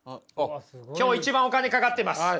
今日一番お金かかってます！